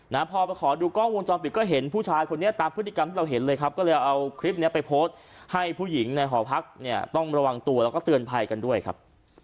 นะพอไปขอดูกล้องวงจรปิดก็เห็นผู้ชายคนนี้ตามพฤติกรรมที่เราเห็นเลยครับก็เลยเอาคลิปเนี้ยไปโพสต์ให้ผู้หญิงในหอพักเนี่ยต้องระวังตัวแล้วก็เตือนภัยกันด้วยครับ